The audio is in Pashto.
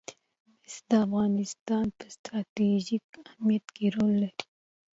مس د افغانستان په ستراتیژیک اهمیت کې رول لري.